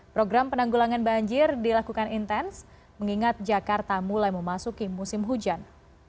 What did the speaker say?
program penanggulangan banjir dilakukan intens mengingat jakarta mulai memasuki musim hujan